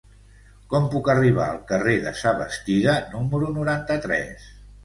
Com puc arribar al carrer de Sabastida número noranta-tres?